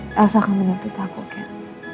saya rasa kamu menutup aku kat